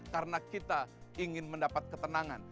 karena kita ingin mendapat ketenangan